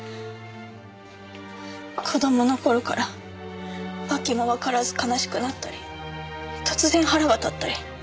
子供の頃から訳もわからず悲しくなったり突然腹が立ったり。